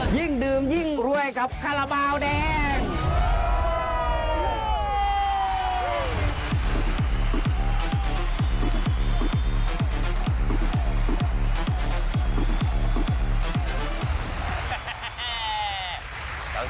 ยิ่งดื่มยิ่งรวยกับคาราบาลแดง